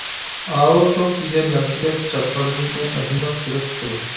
ئاۋۇ توك دېگەن نەرسىگە چاتقاندىن كېيىن ئاشۇنداق سۈرەت چىقىدۇ.